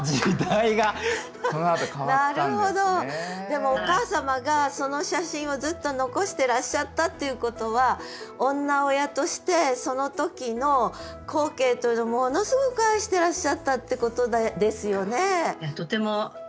でもお母様がその写真をずっと残してらっしゃったっていうことは女親としてその時の光景というのものすごく愛してらっしゃったってことですよね。